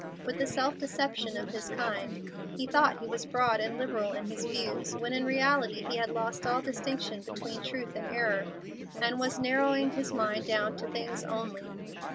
With the self deception of his kind, he thought he was broad and liberal in his views, when in reality he had lost all distinction between truth and error, and was narrowing his mind down to things only.